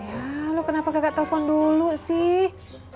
ya lu kenapa gak telpon dulu sih